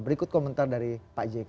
berikut komentar dari pak jk